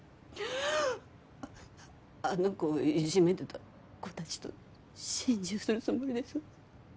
あの子をいじめてた子たちと心中するつもりです